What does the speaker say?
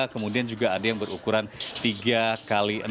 kemudian juga ada yang berukuran tiga x enam